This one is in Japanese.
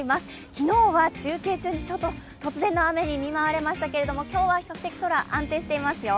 昨日は中継中にちょっと突然の雨に見舞われましたけど今日は比較的空、安定していますよ。